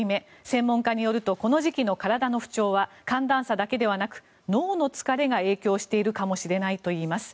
専門家によるとこの時期の体の不調は寒暖差だけではなく脳の疲れが影響しているかもしれないといいます。